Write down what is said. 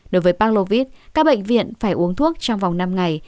đối với panglovit các bệnh viện phải uống thuốc trong vòng năm ngày